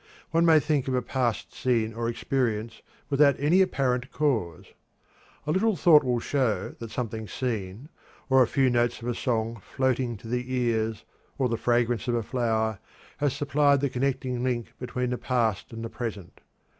One may think of a past scene or experience without any apparent cause. A little thought will show that something seen, or a few notes of a song floating to the ears, or the fragrance of a flower, has supplied the connecting link between the past and the present.